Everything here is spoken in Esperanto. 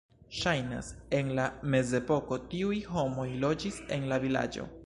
Ŝajnas, en la mezepoko tiuj homoj loĝis en la vilaĝo.